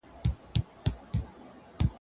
ټول مرغان دي په یوه خوله او سلا وي